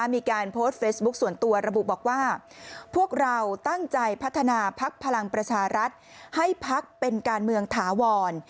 มีการโพสต์เฟซบุ๊คส่วนตัวระบุบอกว่าพวกเราตั้งใจพัฒนาพักพลังประชารัฐให้พักเป็นการเมืองถาวร